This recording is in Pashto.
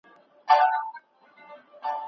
کله ورته مشر او کله ورته ټیوټر هم وایي.